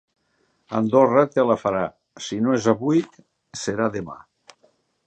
Andorra te la farà, si no és avui serà demà.